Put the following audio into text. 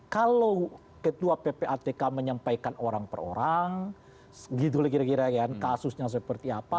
kalau ketua ppatk menyampaikan orang per orang gitu kira kira kan kasusnya seperti apa